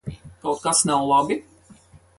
Kaut kas nav labi?